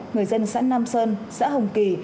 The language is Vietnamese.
người dân xã nam sơn xã hồng kỳ